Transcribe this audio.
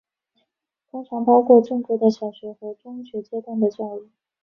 通常包括正规的小学和中学阶段的教育。